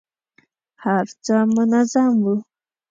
هر څه منظم وو.